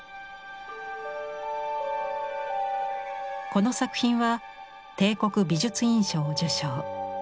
この作品は帝国美術院賞を受賞。